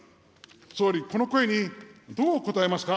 総理、この声にどう応えますか。